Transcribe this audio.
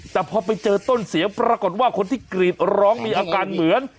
แต่พอไปเจอต้นเสียงปรากฏว่าคนที่กรีดร้องมีอาการเหมือน